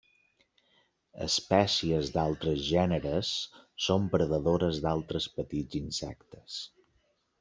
Espècies d'altres gèneres són predadores d'altres petits insectes.